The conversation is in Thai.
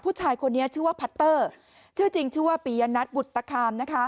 ผู้ชายคนนี้ชื่อว่าพัตเตอร์ชื่อจริงชื่อว่าปียนัทบุตตคามนะคะ